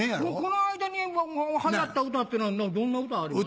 この間に流行った歌ってのはどんな歌あります？